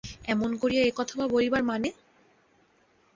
এমন করিয়া একথা বলিবার মানে?